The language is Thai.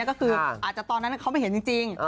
ก็คืออาจจะตอนนั้นเขาไม่เห็นจริง